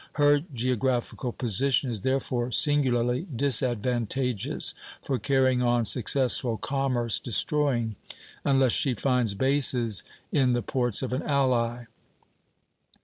Her geographical position is therefore singularly disadvantageous for carrying on successful commerce destroying, unless she find bases in the ports of an ally.